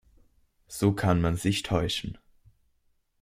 So kann man sich täuschen.